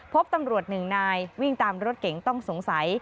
พบตำรวจหนึ่งนายวิ่งตามรถเก๋งต้องสงสัย